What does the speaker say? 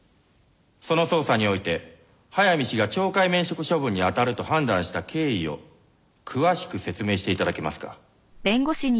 その捜査において早見氏が懲戒免職処分にあたると判断した経緯を詳しく説明して頂けますか？